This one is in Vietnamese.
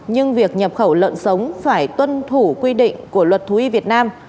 nhưng việc nhập khẩu lợn sống phải tuân thủ quy định của luật thú y việt nam